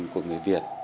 của người việt